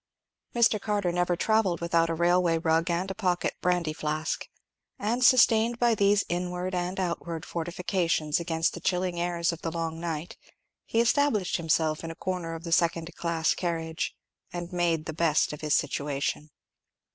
Mr. Carter never travelled without a railway rug and a pocket brandy flask; and sustained by these inward and outward fortifications against the chilling airs of the long night, he established himself in a corner of the second class carriage, and made the best of his situation.